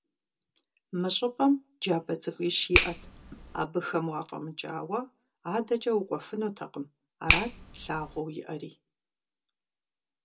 Мы щӀыпӀэм джабэ цӀыкӀуищ иӀэт, абыхэм уфӀэмыкӀауэ адэкӀэ укӀуэфынутэкъым, арат лъагъуэу иӀэри.